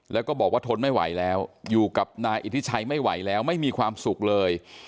แล้วก็บอกว่าทนไม่ไหวแล้วอยู่กับนายอิทธิชัยไม่ไหวแล้วไม่มีความสุขเลย